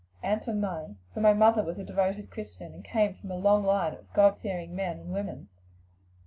"And from mine; for my mother was a devoted Christian and came of a long line of God fearing men and women.